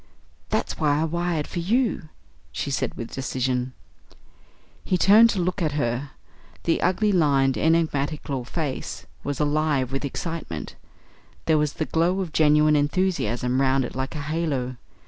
"That's why I wired for you," she said with decision. He turned to look at her. The ugly, lined, enigmatical face was alive with excitement. There was the glow of genuine enthusiasm round it like a halo.